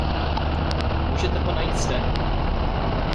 Můžete ho najít zde.